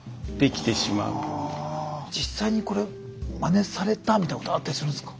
実際にこれまねされたみたいなことあったりするんですか？